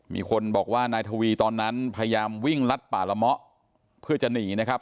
มีคนบอกว่านายทวีตอนนั้นพยายามวิ่งลัดป่าละเมาะเพื่อจะหนีนะครับ